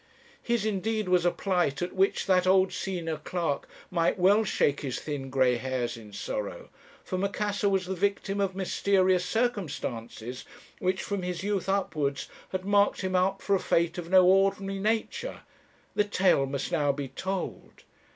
His indeed was a plight at which that old senior clerk might well shake his thin grey hairs in sorrow, for Macassar was the victim of mysterious circumstances, which, from his youth upwards, had marked him out for a fate of no ordinary nature. The tale must now be told."